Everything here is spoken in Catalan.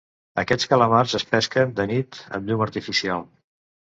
Aquests calamars es pesquen de nit amb llum artificial.